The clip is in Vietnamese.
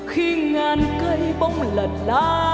khi ngàn cây bóng lật lá